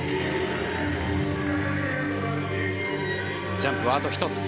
ジャンプはあと１つ。